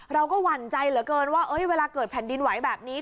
หวั่นใจเหลือเกินว่าเวลาเกิดแผ่นดินไหวแบบนี้